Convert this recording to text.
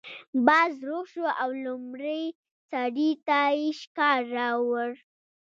باز روغ شو او لومړي سړي ته یې شکار راوړ.